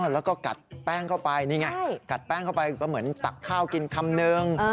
แล้วก็กัดแป้งเข้าไปนี่ไงกัดแป้งเข้าไปก็เหมือนตักข้าวกินคำนึง